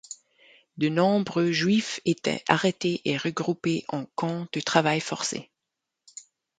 De nombreux Juifs étaient arrêtés et regroupés en camp de travail forcé.